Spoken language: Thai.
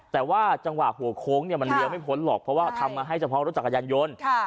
แต่ว่าจังหวะหัวโค้งเนี่ยมันเลี้ยวไม่พ้นหรอกเพราะว่าทำมาให้เฉพาะรถจักรยานยนต์